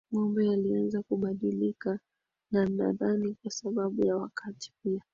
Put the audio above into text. Mambo yalianza kubadilika na nadhani kwa sababu ya wakati pia